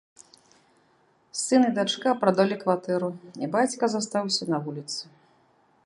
Сын і дачка прадалі кватэру, і бацька застаўся на вуліцы.